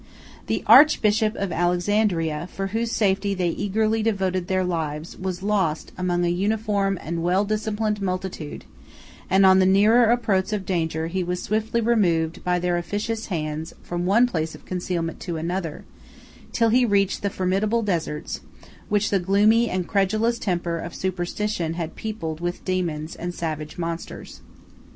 140 The archbishop of Alexandria, for whose safety they eagerly devoted their lives, was lost among a uniform and well disciplined multitude; and on the nearer approach of danger, he was swiftly removed, by their officious hands, from one place of concealment to another, till he reached the formidable deserts, which the gloomy and credulous temper of superstition had peopled with dæmons and savage monsters.